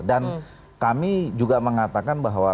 dan kami juga mengatakan bahwa